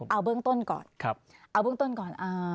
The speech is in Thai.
เอาเบื้องต้นก่อน